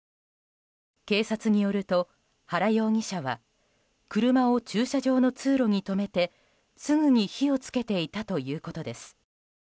警察によると原容疑者は車を駐車場の通路に止めてすぐに火を付けていたということです。